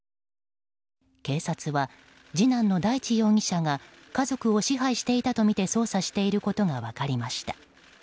警察は、次男の大地容疑者が家族を支配していたとみて捜査していることが分かりました。